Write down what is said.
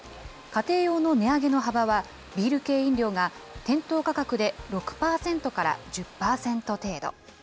家庭用の値上げの幅は、ビール系飲料が店頭価格で６％から１０％程度。